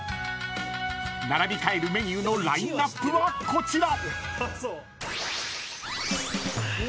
［並び替えるメニューのラインアップはこちら］